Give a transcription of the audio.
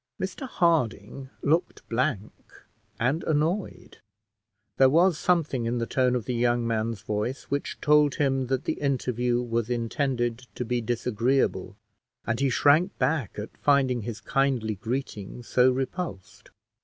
Mr Harding looked blank and annoyed; there was something in the tone of the young man's voice which told him that the interview was intended to be disagreeable, and he shrank back at finding his kindly greeting so repulsed.